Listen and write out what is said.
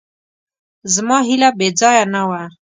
زما هیله بېځایه نه وه.